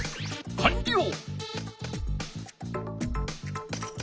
かんりょう！